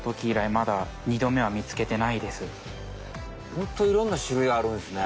ホントいろんな種類あるんすね。